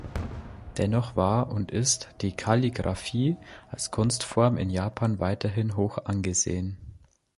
Dennoch war und ist die Kalligrafie als Kunstform in Japan weiterhin hoch angesehen.